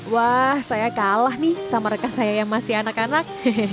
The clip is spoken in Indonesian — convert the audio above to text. wah saya kalah nih sama rekan saya yang masih anak anak